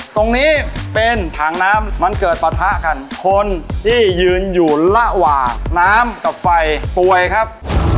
ตรงนี้เป็นถังน้ำมันเกิดปะทะกันคนที่ยืนอยู่ระหว่างน้ำกับไฟป่วยครับ